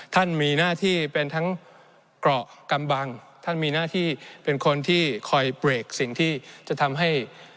ท่านมีหน้าที่เป็นทั้งเกาะกำบังท่านมีหน้าที่เป็นคนที่คอยเบรกสิ่งที่จะทำให้